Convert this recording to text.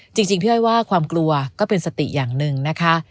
จริงพี่อ้อยว่าความกลัวก็เป็นสติอย่างหนึ่งนะคะ